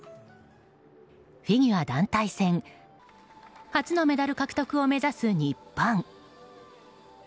フィギュア団体戦初のメダル獲得を目指す日本。